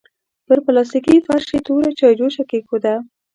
پر پلاستيکي فرش يې توره چايجوشه کېښوده.